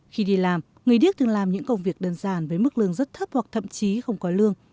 khi đi làm người điếc thường làm những công việc đơn giản với mức lương rất thấp hoặc thậm chí không có lương